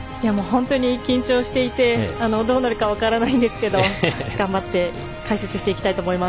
本当に緊張していてどうなるか分からないんですけど頑張って解説していきたいと思います。